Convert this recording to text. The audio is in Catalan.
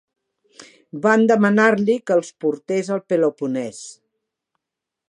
Van demanar-li que els portés al Peloponès.